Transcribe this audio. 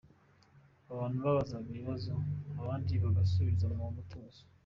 Abantu babazaga ibibazo abandi bagasubiza mu mutuzo.